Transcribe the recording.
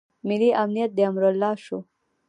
ملي امنیت د امرالله شو.